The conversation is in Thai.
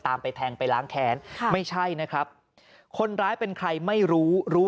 ไปแทงไปล้างแค้นไม่ใช่นะครับคนร้ายเป็นใครไม่รู้รู้